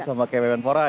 sama kayak mementpora ya